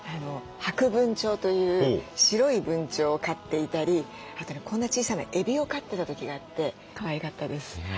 ハクブンチョウという白いブンチョウを飼っていたりあとねこんな小さなエビを飼ってた時があってかわいかったです。